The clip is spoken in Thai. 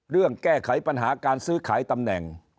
แก้ไขปัญหาการซื้อขายตำแหน่ง